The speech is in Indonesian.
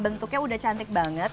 bentuknya udah cantik banget